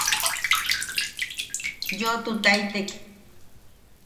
Yoʼotutaitek.